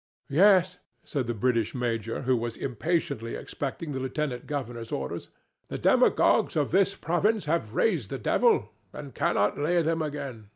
"Yes," said the British major, who was impatiently expecting the lieutenant governor's orders. "The demagogues of this province have raised the devil, and cannot lay him again.